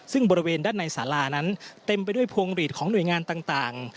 ซึ่งบริเวณด้านในสารานั้นเต็มไปด้วยพวงหลีดของหน่วยงานต่าง